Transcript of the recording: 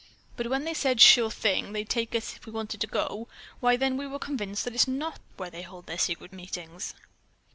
But when they said 'sure thing,' they'd take us if we wanted to go, why then we were convinced that's not where they hold their secret meetings."